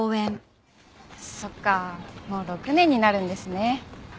そっかもう６年になるんですね。